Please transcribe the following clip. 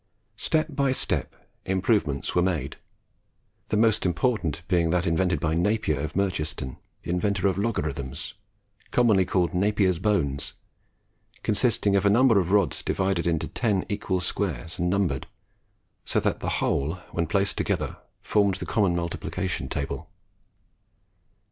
Step by step improvements were made; the most important being that invented by Napier of Merchiston, the inventor of logarithms, commonly called Napier's bones, consisting of a number of rods divided into ten equal squares and numbered, so that the whole when placed together formed the common multiplication table.